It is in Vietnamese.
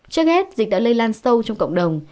trước hết dịch đã lây lan sâu trong cộng đồng